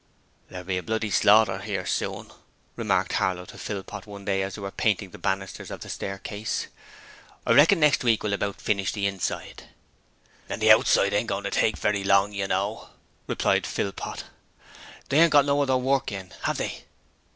'There'll be a bloody slaughter 'ere soon,' remarked Harlow to Philpot one day as they were painting the banisters of the staircase. 'I reckon next week will about finish the inside.' 'And the outside ain't goin' to take very long, you know,' replied Philpot. 'They ain't got no other work in, have they?'